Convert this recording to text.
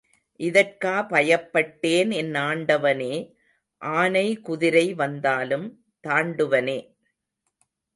இதற்கா பயப்பட்டேன் என் ஆண்டவனே, ஆனை குதிரை வந்தாலும் தாண்டுவனே.